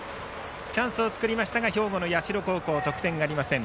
チャンスを作りましたが兵庫の社高校、得点ありません。